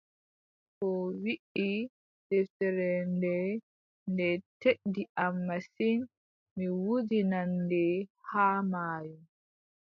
O wiʼi: deftere nde, nde teddi am masin mi wudinan nde haa maayo.